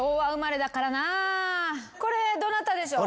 これどなたでしょう？